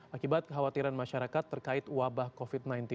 akibat kekhawatiran masyarakat terkait wabah covid sembilan belas